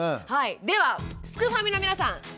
ではすくファミの皆さんじぃじばぁ